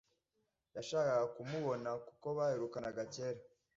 yashakaga kumubona, kuko baherukanaga cyera